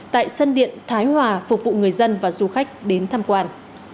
tại sân điện thái hòa phục vụ người dân và du khách đến tham quan